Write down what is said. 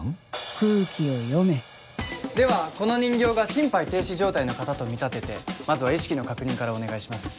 空気を読めではこの人形が心肺停止状態の方と見立ててまずは意識の確認からお願いします。